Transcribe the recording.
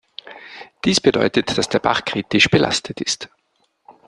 Dies bedeutet, dass der Bach kritisch belastet ist.